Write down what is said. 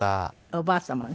おばあ様ね。